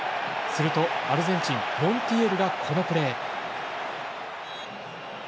すると、アルゼンチンモンティエルがこのプレー。